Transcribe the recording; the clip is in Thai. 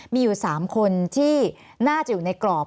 มีอยู่๓คนที่น่าจะอยู่ในกรอบ